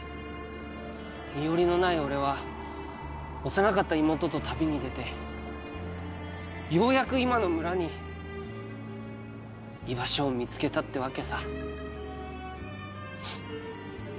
身寄りのない俺は幼かった妹と旅に出てようやく今の村に居場所を見つけたってわけさ。